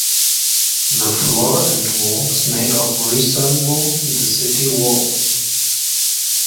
The floor and walls made of resemble the city walls.